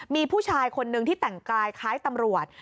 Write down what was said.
มีผู้ชายคนนึงที่แต่งกายคล้ายตำรวจ